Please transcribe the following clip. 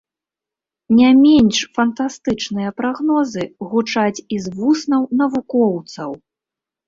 Не менш фантастычныя прагнозы гучаць і з вуснаў навукоўцаў.